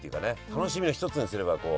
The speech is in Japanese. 楽しみの一つにすればこう。